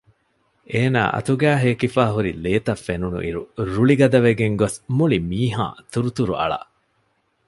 އޭނާ އަތުގައި ހޭކިފައި ހުރި ލޭތައް ފެނުނުއިރު ރުޅި ގަދަވެގެން ގޮސް މުޅިމީހާ ތުރުތުރު އަޅަ